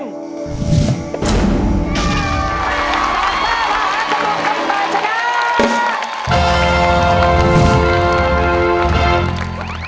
แสบทราบมหาสมุทรต่อชนะ